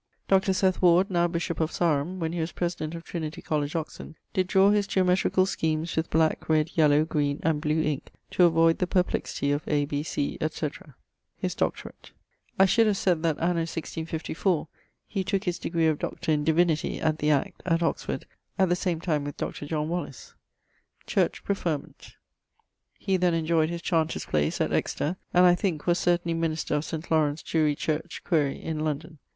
Dr. Seth Ward, now bishop of Sarum, when he was president of Trinity College, Oxon, did draw his geometricall schemes with black, red, yellow, green, and blew inke to avoid the perplexity of A, B, C, etc. <_His doctorate._> I should have said that, anno 165<4>, he tooke his degree of doctor in Divinity, at the Act, at Oxford, at the same time with Dr. John Wallis. <_Church preferment._> He then enjoyed his chanter's place at Excester, and, I thinke, was certainly minister of St. Laurence church (quaere) in London.